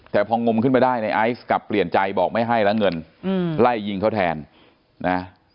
แต่พองมขึ้นมาได้ในไอซ์กลับเปลี่ยนใจบอกไม่ให้แล้วเงินไล่ยิงเขาแทนนะ